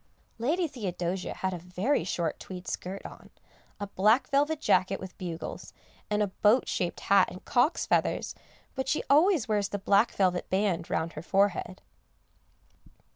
Lady Theodosia had a very short tweed skirt on, a black velvet jacket with bugles, and a boat shaped hat and cocks' feathers; but she always wears the black velvet band round her forehead.